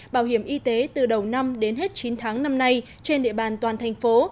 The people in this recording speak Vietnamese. bảo hiểm y tế từ đầu năm đến hết chín tháng năm nay trên địa bàn toàn thành phố